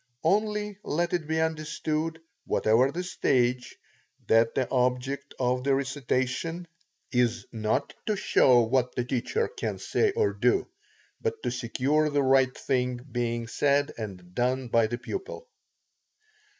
Only let it be understood, whatever the stage, that the object of the recitation is, not to show what the teacher can say or do, but to secure the right thing being said and done by the pupil.